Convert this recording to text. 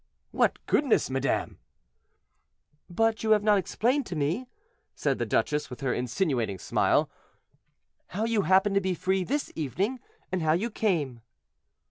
"What goodness, madame!" "But you have not explained to me," said the duchess, with her insinuating smile, "how you happened to be free this evening, and how you came."